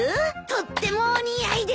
とってもお似合いです。